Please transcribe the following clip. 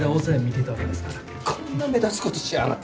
こんな目立つことしやがって。